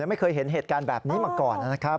ไม่เคยเห็นเหตุการณ์แบบนี้มาก่อนนะครับ